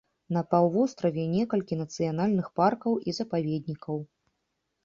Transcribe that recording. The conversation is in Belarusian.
На паўвостраве некалькі нацыянальных паркаў і запаведнікаў.